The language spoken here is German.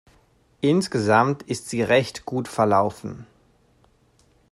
Insgesamt ist sie recht gut verlaufen.